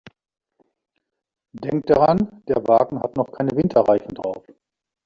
Denk daran, der Wagen hat noch keine Winterreifen drauf.